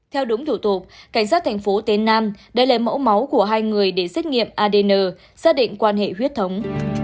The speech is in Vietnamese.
theo đúng thủ tục cảnh sát thành phố tế nam đã lấy mẫu máu của hai người để xét nghiệm adn xác định quan hệ huyết thống